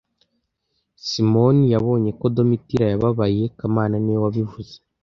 Simoni yabonye ko Domitira yababaye kamana niwe wabivuze